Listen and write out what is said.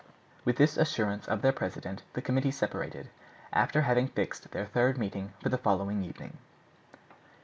With this assurance of their president the committee separated, after having fixed their third meeting for the following evening.